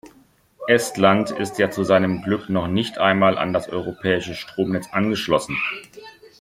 Estland ist ja zu seinem Glück noch nicht einmal an das europäische Stromnetz angeschlossen.